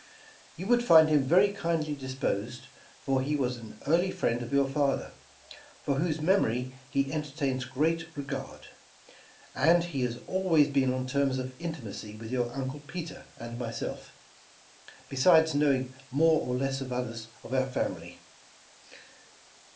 You would find him very kindly disposed, for he was an early friend of your father, for whose memory he entertains great regard; and he has always been on terms of intimacy with your uncle Peter and myself, besides knowing more or less of others of our family.